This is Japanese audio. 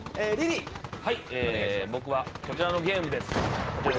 僕はこちらのゲームです。